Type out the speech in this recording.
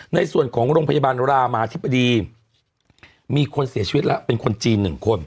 ในส่วนของโรงพยาบาลรามาธิบดีมีคนเสียชีวิตแล้วเป็นคนจีน๑คน